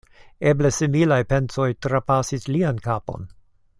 Eble similaj pensoj trapasis lian kapon.